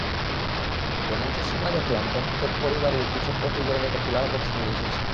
লাঞ্চের সময় দেখলাম প্রত্যেক পরিবারই একটা ছোট্ট ফ্রিজের মতোই কুলার বক্স নিয়ে এসেছে।